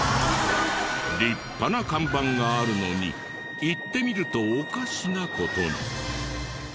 立派な看板があるのに行ってみるとおかしな事に。